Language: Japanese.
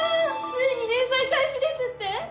ついに連載開始ですって？